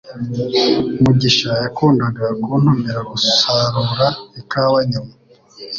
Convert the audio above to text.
Mugisha yakundaga kuntumira gusarura ikawa nyuma